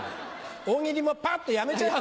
大喜利もパッとやめちゃえば。